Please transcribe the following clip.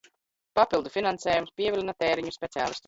Papildu finansējums pievilina tēriņu speciālistus!